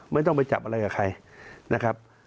ไม่ต้องไปจับอะไรกับใคร